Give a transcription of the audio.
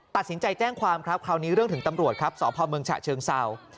ตัดสินใจแจ้งความครับคราวนี้เรื่องถึงตำรวจครับสพเมืองฉะเชิงเศร้า